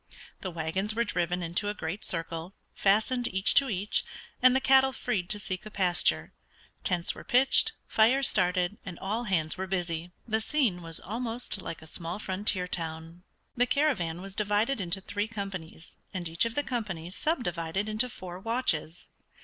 The wagons were driven into a great circle, fastened each to each, and the cattle freed to seek a pasture; tents were pitched, fires started, and all hands were busy. The scene was almost like a small frontier town. The caravan was divided into three companies, and each of the companies subdivided into four watches.